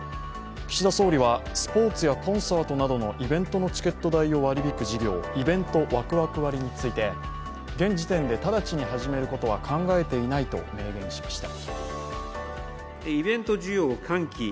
岸田総理はスポーツやコンサートなどのイベントのチケット代を割り引く事業イベントワクワク割について現時点で直ちに始めることは考えていないと明言しました。